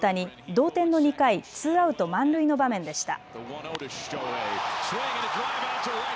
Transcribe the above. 同点の２回、ツーアウト満塁の場面でした。